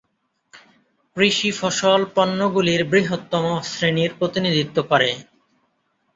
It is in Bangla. কৃষি ফসল পণ্যগুলির বৃহত্তম শ্রেণীর প্রতিনিধিত্ব করে।